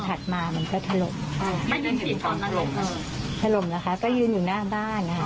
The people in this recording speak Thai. ถัดมามันก็ถล่มถล่มหรอคะก็ยืนอยู่หน้าบ้าน